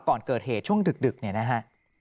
ก่อนเกิดเหตุช่วงดึกเนี่ยนะฮะ